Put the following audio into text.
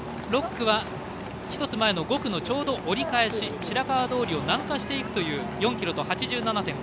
６区は、１つ前の５区のちょうど折り返し白川通を南下していくという４ｋｍと８７．５ｍ。